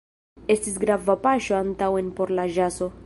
Estis grava paŝo antaŭen por la ĵazo.